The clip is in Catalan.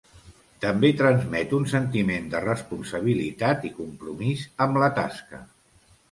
També transmet un sentiment de responsabilitat i compromís amb la tasca.